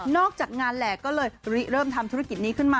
จากงานแหลกก็เลยเริ่มทำธุรกิจนี้ขึ้นมา